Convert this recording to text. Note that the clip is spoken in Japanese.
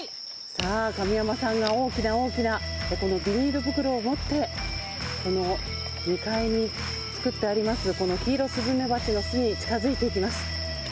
さあ、神山さんが大きな大きなビニール袋を持って、この２階に作ってあります、このキイロスズメバチの巣に近づいていきます。